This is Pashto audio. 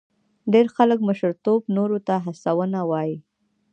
ډېر خلک مشرتوب نورو ته هڅونه وایي.